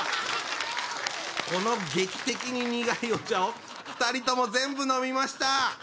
この劇的に苦いお茶を２人とも全部飲みました。